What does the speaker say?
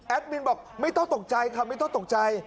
มินบอกไม่ต้องตกใจค่ะไม่ต้องตกใจ